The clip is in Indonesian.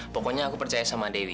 pokoknya aku percaya sama dewi